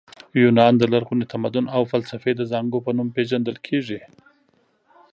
یونان د لرغوني تمدن او فلسفې د زانګو په نوم پېژندل کیږي.